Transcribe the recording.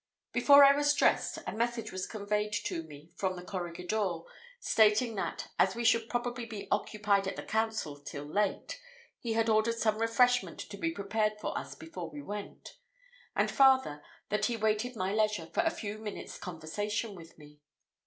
Before I was dressed, a message was conveyed to me from the corregidor, stating that, as we should probably be occupied at the council till late, he had ordered some refreshment to be prepared for us before we went; and farther, that he waited my leisure for a few minutes' conversation with me.